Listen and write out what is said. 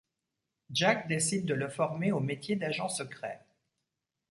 Jack décide de le former au métier d'agent secret.